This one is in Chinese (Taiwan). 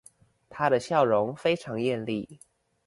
她的笑容非常豔麗